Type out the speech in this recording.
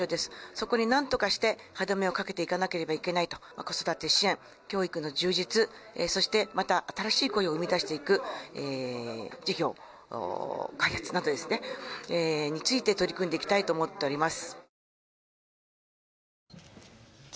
そこになんとかして歯止めをかけていかなければいけないと子育て支援、教育の充実、そしてまた新しい雇用を生み出していく、事業開発などについて取り組んでいきたいと思っております。